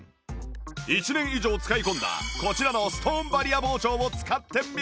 １年以上使い込んだこちらのストーンバリア包丁を使ってみると